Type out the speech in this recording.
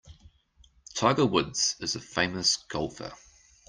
Tiger Woods is a famous golfer.